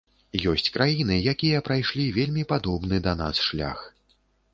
Ёсць краіны, якія прайшлі вельмі падобны да нас шлях.